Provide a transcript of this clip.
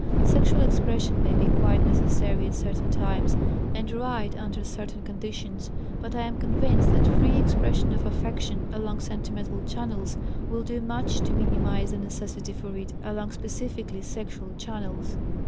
Sexual expression may be quite necessary at certain times and right under certain conditions, but I am convinced that free expression of affection along sentimental channels will do much to minimize the necessity for it along specifically sexual channels.